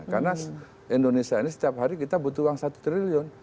karena indonesia ini setiap hari kita butuh uang satu triliun